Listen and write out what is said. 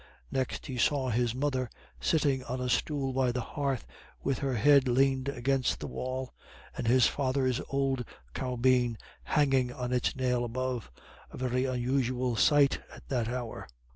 Next he saw his mother sitting on a stool by the hearth with her head leaned against the wall, and his father's old caubeen hanging on its nail above, a very unusual sight at that hour.